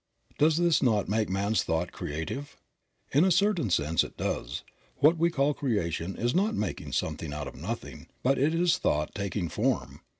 Does this not make man's thought creative? In a certain sense it does. What we call creation is not making something out of nothing, but it is thought taking form.